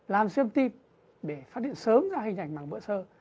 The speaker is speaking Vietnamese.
làm xuyên tìm để phát hiện sớm ra hình thành mảng vữa sơ